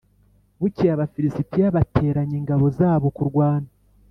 Bukeye Abafilisitiya bateranya ingabo zabo kurwana